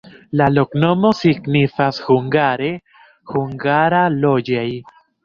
La loknomo signifas hungare: hungara-loĝej'.